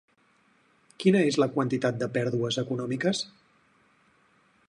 Quina és la quantitat de pèrdues econòmiques?